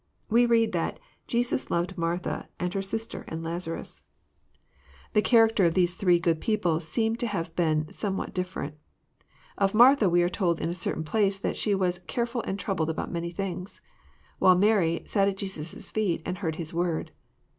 We read that " Jesus loved Martha, and her sister, and Lazarus." The characters of these 230 EXPOsrroEY thoughts. three good people seem to have been somewhat dilFerent. Of Martha, we are told in a certain place, that she was <^ carefal and troubled about many things," while Mary ^* sat at Jesus* feet, and heard His word."